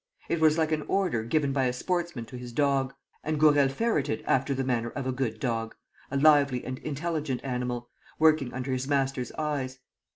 It was like an order given by a sportsman to his dog. And Gourel ferreted after the manner of a good dog, a lively and intelligent animal, working under his master's eyes.